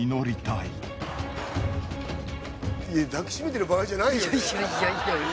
いや抱きしめてる場合じゃないよね？